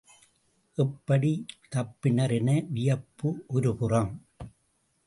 எப்படித் தப்பினர் என வியப்பு ஒருபுறம்!